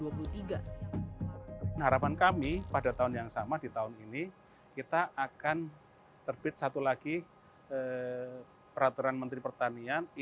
harapan kami pada tahun yang sama di tahun ini kita akan terbit satu lagi peraturan menteri pertanian